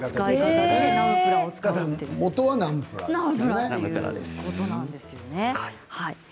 もとはナムプラーだよね？